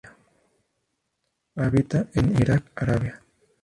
Habita en Irak, Arabia.